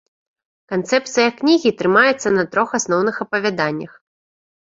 Канцэпцыя кнігі трымаецца на трох асноўных апавяданнях.